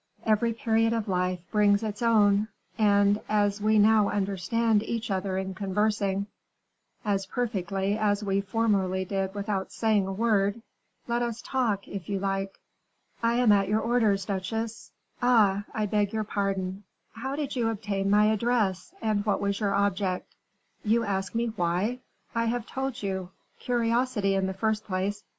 Every period of life brings its own; and, as we now understand each other in conversing, as perfectly as we formerly did without saying a word, let us talk, if you like." "I am at your orders, duchesse. Ah! I beg your pardon, how did you obtain my address, and what was your object?" "You ask me why? I have told you. Curiosity in the first place.